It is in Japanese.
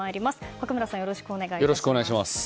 白村さん、よろしくお願いします。